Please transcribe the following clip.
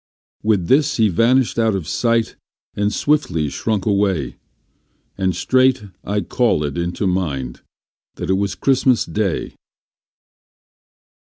With this he vanished out of sight and swiftly shrunk away, And straight I callëd into mind that it was Christmas day.